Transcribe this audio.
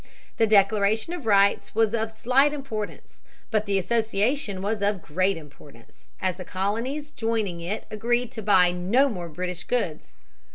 The Declaration of Rights was of slight importance. But the Association was of great importance, as the colonies joining it agreed to buy no more British goods.